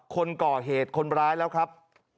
คนก่อเหตุคนร้ายแล้วครับ